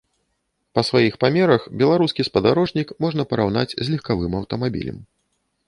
Па сваіх памерах беларускі спадарожнік можна параўнаць з легкавым аўтамабілем.